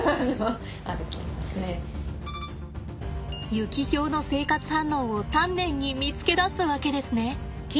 ユキヒョウの生活反応を丹念に見つけ出すわけですね。